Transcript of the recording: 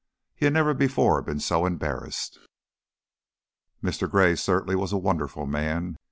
He had never before been so embarrassed. Mr. Gray certainly was a wonderful man.